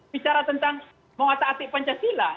bicara tentang mau atas atik pancasila